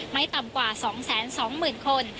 ไม่ต่ำกว่า๒๒๐๐๐คน